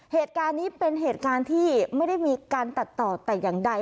เหตุการณ์นี้เป็นเหตุการณ์ที่ไม่ได้มีการตัดต่อแต่อย่างใด